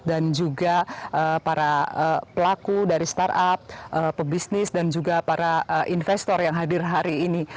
dan juga para pelaku dari startup pebisnis dan juga para investor yang hadir hari ini